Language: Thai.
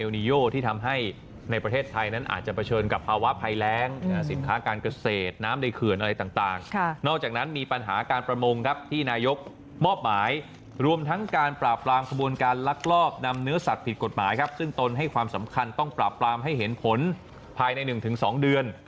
นอกจากนั้นมีปัญหาการประมงครับที่นายกมอบหมายรวมทั้งการปราบปรามขบวนการลักลอบนำเนื้อสัตว์ผิดกฎหมายครับซึ่งต้นให้ความสำคัญต้องปราบปรามให้เห็นผลภายใน๑๒เดือน